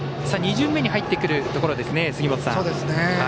２巡目に入ってくるところですね。